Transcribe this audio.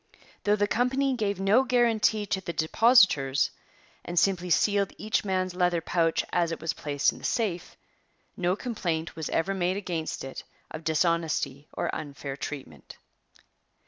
Though the company gave no guarantee to the depositors and simply sealed each man's leather pouch as it was placed in the safe, no complaint was ever made against it of dishonesty or unfair treatment.